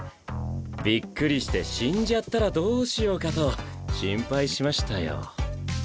びっくりして死んじゃったらどうしようかと心配しましたよ。